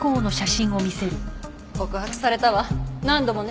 告白されたわ何度もね。